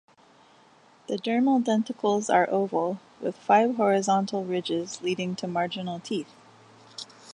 The dermal denticles are oval with five horizontal ridges leading to marginal teeth.